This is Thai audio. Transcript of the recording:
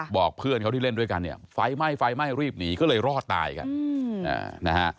บอกเพื่อนเขาที่เล่นด้วยกันไฟไหม้รีบหนีก็เลยรอดตายกัน